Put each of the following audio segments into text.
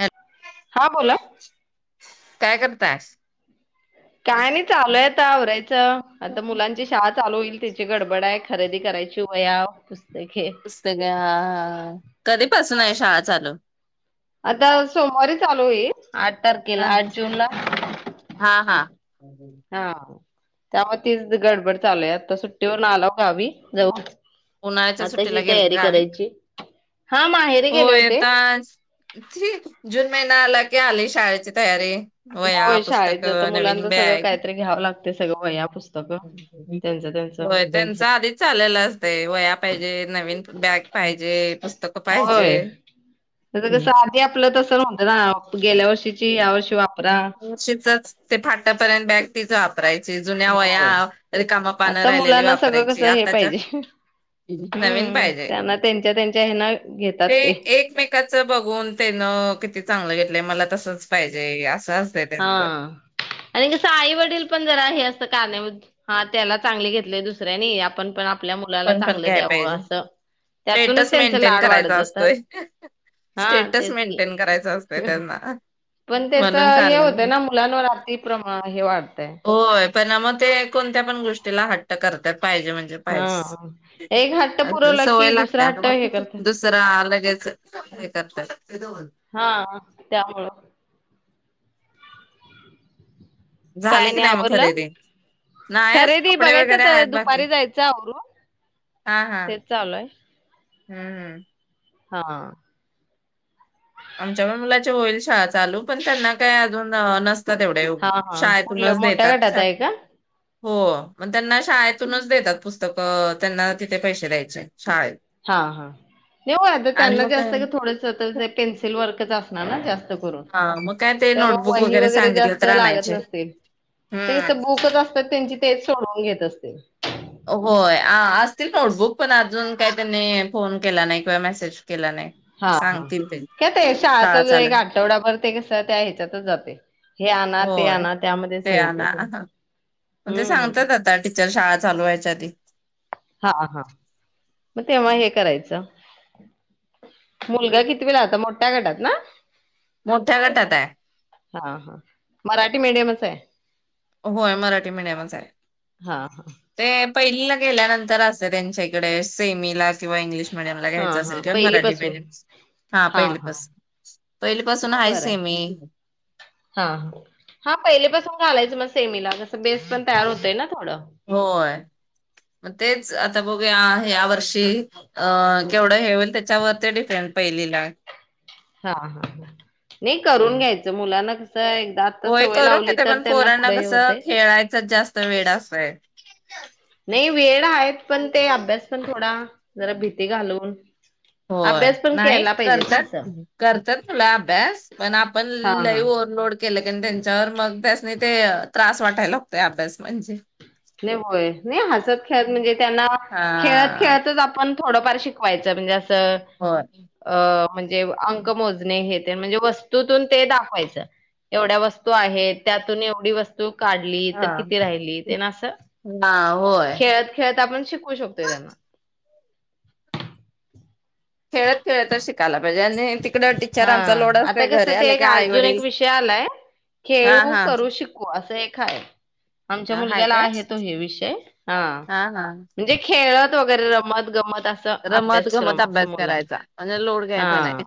हॅ हा बोला काय करतायस, काय नाही चालूयता आवरायच, आता मुलांची शाळा चालू होईल. तिची गडबड आहे. खरेदी करायची वया पुस्तके पुस्तक आहे ह कधीपसून आहे शाळा चालू? आता सोमवारी चालू आहे. आठ तारखेला हा आठ जून ला हा हा. हा त्यामुळे तीच गडबड चालूय आता सुट्टीवरून आला गावी जाऊन, उन्हाळ्याच्या आता ही सुट्टीला गेलता तयारी गावी? करायची हा माहेरी गेले होय होते. आता जून महिन्या आला की आली शाळेची तयारी, वह्या, होय, शाळेच तर पुस्तकं, मुलांच नवीन सगळं बॅग काहीतरी घ्यावं लागते, सगळं वया पुस्तकं त्यांचं त्यांचं वया पाहिजे नवीन बॅग पाहिजेस्. होय तस कस आध आपलं तस ना गेल्या वर्षीचीर्ष चच ते फाटापर्यंत बॅग, तिक जुन्या होय वया काम पानं आता राहिली मुलांना सगळं वापरायची, कसं हे आताच्या पाहिजे नवीन हम्म पाहिजे, त्यांना त्यांच्या त्यांच्या हे ना घेतात ते एकमेच बघून कि चांगलं घ मला तसंच पाहिजे, जस हा आणि कस आई वडील पण जर आहे असं ह त्याला चांगले घेतले दुसऱ्यानी आपण पण आपल्या मुलाला पण पण चांगलं घ्या द्यावं पाहिजे असं त्यातूनच स्टेटस त्यांच मेंटेन लाड वाढत करायचा जातात असतोय हा स्टेटस तेच की मेंटेन करायचा असतोय त्यांना पण त्याच म्हणूनां हे होतं ना मुलांवर अात प्र हे वाढतय होय पण मग ते कोणत्या पण गोष्टीला हट्ट करतात. पाहिजे म्हणजे हा एक हट्ट पाहिजे, पुरवला सवय की लागते दुसरा हट्ट हे आम्हाला करतात दुसरां लगेच हे करतात दन हा त्यामुळं झाले काय की नाही मग आवरलं, खरेदी? नाही अजून खरेदी कपडे बघायचं वगैरे तर आहेत बाकी. दुपारी जायचं आवरून हा हा. तेच चालूय हम्म हम्म. हा. आमच्या मुलाची होईल, शाळा चालू पण त्यांना काय अजून नस तेवढे हा हा कुठल्या शाळेतूनच मोठ्या देतात. गटात आहे का हो मग त्यांना शाळेतूनच देतात, पुस्तकं त्यांना तिथे पैसे द्यायचे. शाळेत हा हा हो आता आणि त्यांना मग जे काय- असत थोड पेन्सिल वर् अस ना जास्त हा मग काय ते त्या नोटबुक वही वगैरे वगरे सांगितलं जास्त तर लागत आणायचे नसतील, ते हम्म बुकच असतात त्यांची तेच सोडवून घेत असत ते होय असतील, नोटबुक पण अजून काही त्यांनी फोन केला नाही किंवा मेसेज केला नाही हा हा सांगतील ते काय ते शाळाचा शाळा चालू एक आठवडा भरते कस त्या ह्याच्यातच जातय. होय, ते आना, त्यांचं ते हम्म सांगतात आता टीचर शाळा चालू वाहायच्या आधी. हा हा म तेव्हा हे करायचं, मुलगा कितवी ला आता मोठ्या गटात ना. मोठ्या गटात आहे. हा हा मराठी मीडियमच आहे. होय मराठी मिडियमच आहे, हा हा ते पहिलिला गेल्यानंतर असतय, त्यांच्याइकडे सेमी ला किंव्हा इंग्लिश मिडीयमला हा घ्यायचं आसेल, हा किंवा मराठी पहिलीपासून मिडीयम हा पहिली पास पहिली पासून मग आहे, बरं सेमी हा हा हा पहिलेपासून घालायचं मग सेमीला कसं बेस पण तयार होतय ना. थोडं होय म तेच. च आता बघूया ह्या वर्षी अ केवढं हे होईल तेच त्या वर ते डीफेड पहिलीला हा, हा, हा नाही, करून घ्यायचं मुलाना कसं एकदा आता होय सवय करू लावली घेते, तर पण त्यांना पोरांना पुढे हे कसं होते खेळायचंच जास्त वेड आसतय [inaudible] ही वेळ आहे, पण ते अभ्यास पण थोडा जरा भीती घालून होय अभ्यास पण नाही, केला पाहिजे ना करतात असं करतात मुलं अभ्यास पण आपण हा लई हा ओव्हरलोड केलं कणी त्यांच्यावर मग त्यासनी ते त्रास वाटायला लागतोय, अभ्यास म्हणजे नाही होय, नाही हसत खेळत म्हणजे त्यांना खेळत हा खेळतच आपण थोडंफार शिकवायचं म्हणजे आस ते होय अ म्हणजे अंक मोजणे हे ते म्हणजे वस्तूतून ते दाखवायच, एवढ्या वस्तू आहेत त्यातून एवढी वस्तू काढली हा तर किती, राहिली तेन आसं हा होय खेळत खेळत आपण शिकू शकतोय त्यांना खेळत खेळतच शिकायला पाहिजे आणि तिकड हा टीचरांचा लोड आ, असते ता कस घरी ते आले एक की आई अजून वडील एक विषय आलाय हा खेळू हा करू शिकू असं एक आहे आमच्या हाय मुलग्याला काय आहे तो हे विषय हा म्हणजे खेळत वगैरे रमत गमत असं रमत अभ्यासक्रम गमत असं अभ्यास मुलांना करायचा म्हणजे लोड घ्यायचा नाही.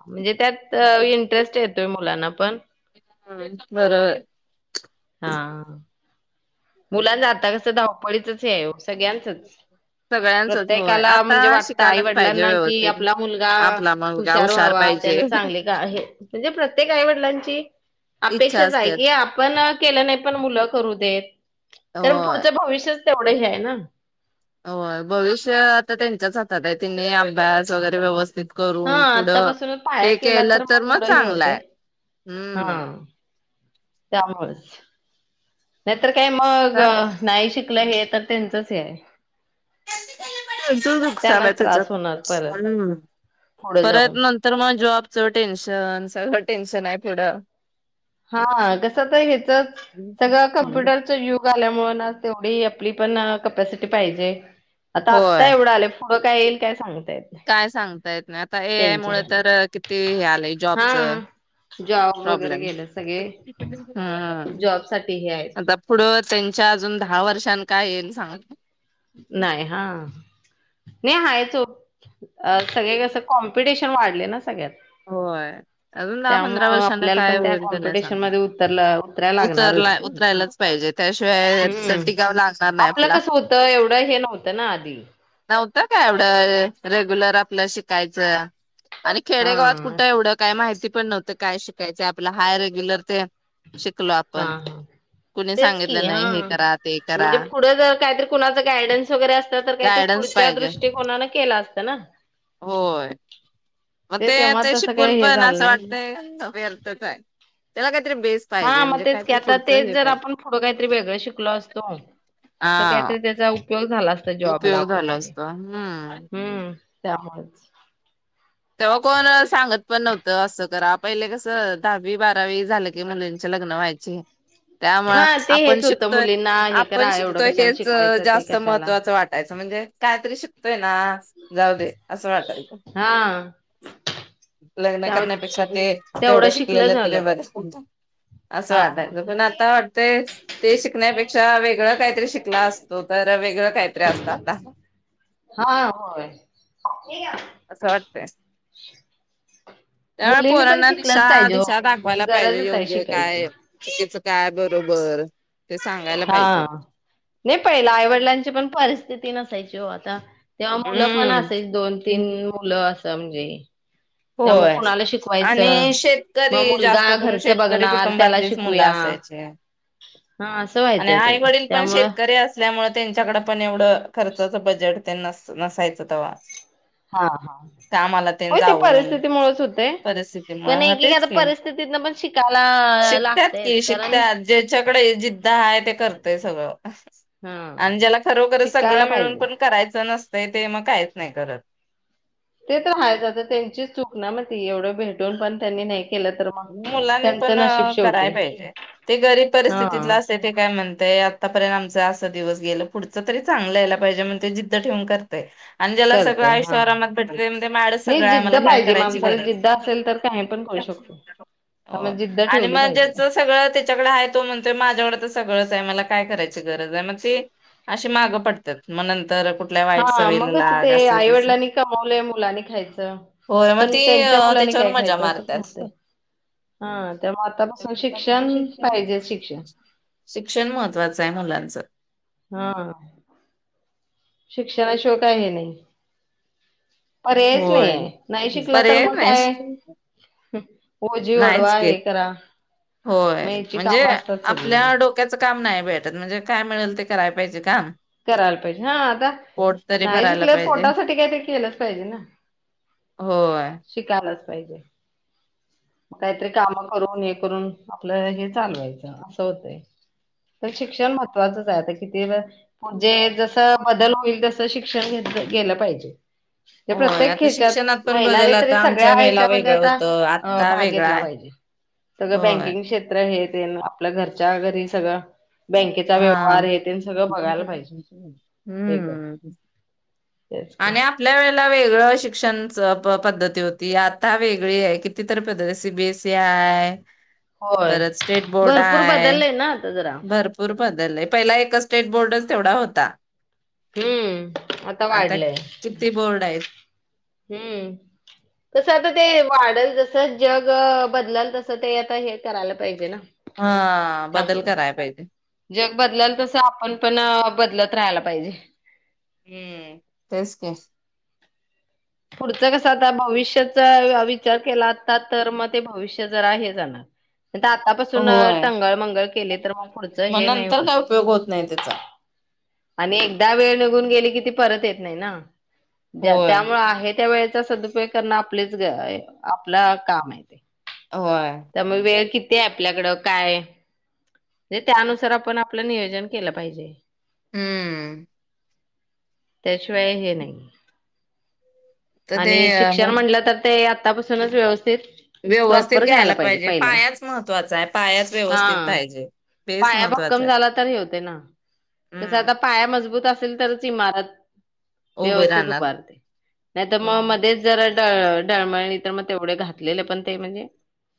तर इंटरेस्ट येतोय मुलांना पण बरोबर हा मुलांच आता कसं धावपळीचच हे हाय हो सगळ्यांचच सगळ्यांचच होय प्रत्येकाला म्हणजे आता वाटतं आई शिकायलाच पाहिजे वडिलांना कि व्यवस्थित आपला मुलगा आपला मुलगा हुशार व्हावा पाहिजे त्यांना चांगले का हे म्हणजे प्रत्येक आई वडिलांची इच्छा अपेक्षाच आहे असते की आपण केलं नाही, पण मुलं करू देत करण होय पुढच भविष्य तेवढ हे आहे ना. होय भविष्य आता त्यांच्याच हातात आहे. तिनी अभ्यास वगैरे व्यवस्थ व्यित हा करून पुढं आतापासूनच पाया हे केला केलं तर मग पुढं हे चांगलं होते आहे, हम्म. त्यामुळे नाहीतर काय मग, नाही शिकलं हे तर त्यांचच हे आहे. त्यांचाच नुकसान आहे त्यांनाच त्रास त्याच्यात. होणार परत हम् पुढे परत जाऊन नंतर मग जॉब च टेन्शन सगळ टेन्शन आहे पुडं. हा कस तर हिचच, सगळं हम्म. कंप्यूटर चे युग झाल्यामुळे तेवढी आपली पण कपसिटी पाहिजे. आता आत्ता होय एवढं आलेय पुढ काय येईल काय सांगल काय सांगता येत नाही आता ए आय मूळ ह्याला तर किती हे आलंय जॉबच, हा जॉब वगैरे प्रॉब्लेम. गेले सगळे हा जॉब साठी हे आता आहेत पुढ त्यांच्या अजून दहा वर्षां काय येईल सांग नाही हा, नी हाय आ, सगळे कस कॉम्पिटिशन वाढले ना सगळ्यात. होय अजून दहा पंधरा त्यामुळं वर्षांने आपल्याला काय पण त्या होईल तर नाही कॉम्पिटिशन सांगत. मध्ये उतरला उतरायला उतरला लागणारच उतरायलाच पाहिजे त्याशिवाय तर हम्म टिकाव लागणार नाही आपलं आपला. कसं होतं एवढं हे नव्हतं ना आधी नव्हतं काय एवढं, रेगुलर. आपल शिकायचं आणि हा खेडेगावात कुठं एवढं काय माहिती पण नव्हं तर काय शिकायच आपल हाय रेग्युलर ते शिकलोय हा आपण हा कुणी तेच की सांगितलं हा नाही हे करा ते करा. कुचं गायडन्स वगैरे अस तर काही गायडन्स पुढच्या पाहिजे दृष्टिकोनानं केला असत. ना [inaudible] होय मग ते तेव्हा ते तसं शिकून काही हे पण झालं असं नाही वाटतय व्यर्थच हाय. त्याला का हा मग तेच की आता तेच जर पाहिजे आपण पुढं काहीतरी वेगळं शिकलो असतो, तर हा काहीतरी त्याचा उपयोग झाला असता जॉबला उपयोग झाला वगैरे असतो हम्म हम्म त्यामुळेच तेव्हा कोण सांगत पण नव्हतं असं करा पहिले कसं दहावी बारावी झालं की मुलींची लग्न व्हायची. त्यामुळ हा ते आपण हेच होतं शिकतोय मुलींना हे आपण करा एवढं शिकतोय कशाला हेच शिकवायचं ते जास्त कशाला महत्त्वाचं वाटायचं म्हणजे कायतरी शिक तर- हा जाऊ दे असं वाटाय हा लग्न त्यामुळे करण्यापेक्षा ते तेवढं शिकलं शिकलेलं तरी झालं बर असं हा हा वाटायचं पण आता वाटतय ते शिकण्यापेक्षा वेगळं काहीतरी शिकला असतो तर वेगळं काहीतरी असतं आता हा होय. असं वाटतय त्यामुळे मुलींनी पण पोरांना दिशा शिकलंच पाहिजे हो दिशा दाखवायला पाहिजे गरजच आहे योग्य शिकायची. काय, चुकीच काय, बरोबर ते सांगायला हा पाहिजे नाही पहिला आईवडिलांची पण परिस्थिती ती नसायची ओ आता तेव्हा मुलं पण हम्म असेच दोन तीन मुलं असं ते होय, आणि मग शेतकरी मुलगा जास्त करून घरचं शेतकरी बघणार त्याला कुटुंबातलीच मुलं शिकूया. असायचे हा असं आणि व्हायचं ते आईवडील पण त्यामुळं शेतकरी असल्यामुळे त्यांच्याकडं पण एवढं खर्चाच बजेट ते नस नसायचं तेव्हा हा हा होय ते परिस्थिती परिस्थिती मुळ हा तेच कि, परिस्थितीतन पण शिकायला शिकतात कि लागतयच कारण शिकतात ज्याच्याकडे जिद्द आहे, ते करतय सगळं हा आणि ज्याला खरोखर शिकायला सगळं मिळून पाहिजे. पण करायचं नसतय ते मग काहीच नाही करत ते तर हायच त्यांची चुक ना मती एवढं भेटून पण त्यांनी नाही केलं तर मग मुलांनी पण त्यांचं नशीब कराय शेवटी पाहिजे ते गरीब हा परिस्थितीतलं असे ते काय म्हणतेय आतापर्यंत आमच आ दिवस गेल पुढच तरी चगलं यायला पाहिजे म्हणजे जिद्द ठेवून करतय आणि ज्याला सगळं करतय आयुष्य आयशो हा आरामात भेटले ते म्हणत माझ्याकड सगळं नाही आहे जिद्द मला काय पाहिजे करायची माणसाला गरज जिद्द असेल तर काही पण करू नाही. शकतो हो त्यामुळे जिद्द आणि ठेवली म पाहिजे ज्याच सगळं त्याच्याकडे आहे तो म्हणतोय माझ्याकड तर सगळंच आहे मला काय करायची गरज मग ते अशी माग पडत्यात म नं हा मगच ते तसं. आईवडिलांनी कमावलंय मुलांनी खायचं होय मग पण ती त्यांच्या अ, मुलांनी त्याच्यावर काय मजा खायचं असं पण मारतात. होतंय हा त्यामुळे आतापासून शिक्षण पाहिजेच शिक्षण शैक्षणिक होलाच हा शिक्षणाशिवाय काय हे नाही. पर्यायच होय नाहीय नाही शिकलं तर पर्याय मग काय नाही ओजी नाहीच वडवा की हे करा होय मग याची म्हणजे कामं असतात सगळी आपल्या डोक्याचं काम नाही भेटत म्हणजे काय मिळेल. ते कराय पाहिजे काम करायला पाहिजे हा आता पोट तरी नाही भरायला शिकलं तरी पाहिजे पोटासाठी काही ते केलंच पाहिजे. ना होय शिकायला पाहिजे. काहीतरी काम करून हे करून आपलं हे चालवायचं असं होतय तर शिक्षण महत्वाचंच आहे आता किती म्हणजे जस बदल होईल तस शिक्षण घेत गेलं पाहिजे. ते होय प्रत्येक आता ह्याच्यात शिक्षणात पण महिलांनी बदल आता आमच्या वेळेला वेगळं होतं. आता सगळ्यात भाग घेतला पाहिजे. सगळं होय बँकिंग क्षेत्रात हे ते आपल्या घरच्या घरी सगळ हा पाहिजे हम् हे करून तेच आणि आपल्या आणि की आपल्या वेळेला वेगळं शिक्षण च पद्धती होती आता वेगळी आहे कितीतरी पद्धती सीबीएसई हाय होय भरपूर आहे. बदललेय ना आता जरा. भरपूर बदलय पहिला एक स्टेट बोर्ड तेवढा होता. हम्म आता वाढलंय. किती बोर्ड आहेत हम्म तस आता ते वाढेल जसं जग बदलल तसं ते आता हे करायला पाहिजे ना. हा बदल त्यामुळे कराय पाहिजे. जग बदलल तस आपण पण बदलत राहायला पाहिजे. हम्म तेच की. पुढचं कसं आता भविष्याचा विचार केला असता तर मग ते भविष्य जर आहे जाणार. आतापासून होय टंगळ मंगळ केले तर मग पुढचं मग हे नाही नंतर होत. काय उपयोग होत नाही त्याचा. आणि एकदा वेळ निघून गेली की परत येत नाही ना. ज्या होय त्यामुळे आहे त्या वेळेत चा सदुपयोग करण आपलेच आपला काम आहे. होय. त्यमुळे वेळ किती ते आपल्याकडं काय ते त्यानुसार आपण आपलं नियोजन केलं पाहिजे. हम्म त्याशिवाय हे नाही. तर ते आणि शिक्षण म्हटलं तर ते आपल आतापासूनच व्यवस्थित व्यवस्थित घ्यायला पाहिजे पायाच महत्त्वाचा आहे पायाच हा व्यवस्थित पाहिजे बेस पाया महत्त्वाचा भक्कम झाला तर हे होते ना. आहे. कसं आता हम्म पाया मजबूत अस असल तरच इमारत उभे व्यवस्थेत राहणार. उभारते नाही तर मग मध्येच जरा ळ ढळमळणी तर मग तेवढे घातलेले पण ते म्हणजे